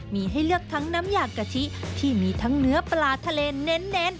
มีให้เลือกทั้งน้ำยากะทิที่มีทั้งเนื้อปลาทะเลเน้น